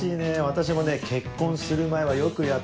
私もね結婚する前はよくやったよ。